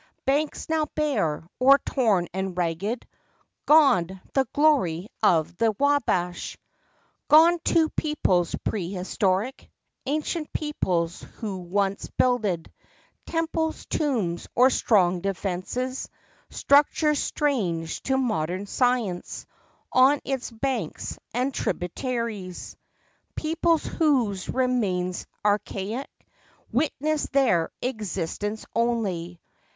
Banks now bare, or torn and ragged. Gone, the glory of the Wabash! Gone, too, peoples prehistoric!— Ancient peoples, who once builded Temples, tombs, or strong defenses— Structures strange to modern science— On its banks and tributaries; 52 FACTS AND FANCIES. Peoples whose remains, archaic, Witness their existence only.